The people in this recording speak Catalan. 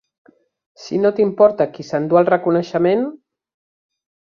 Si no t'importa qui s'endú el reconeixement.